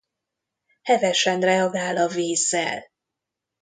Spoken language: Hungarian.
Hevesen reagál a vízzel.